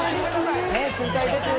心配です。